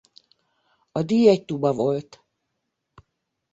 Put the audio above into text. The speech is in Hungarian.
A díj egy tuba volt.